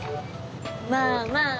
まあまあ。